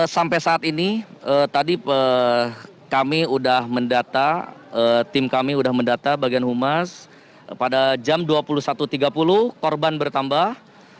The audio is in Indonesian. sampai saat ini tadi kami sudah mendata tim kami sudah mendata bagian humas pada jam dua puluh satu tiga puluh korban bertambah